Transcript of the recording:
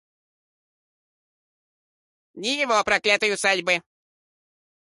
ни его проклятой усадьбы.